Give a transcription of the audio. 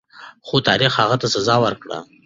خو تاریخ هغه ته سزا ورکړه.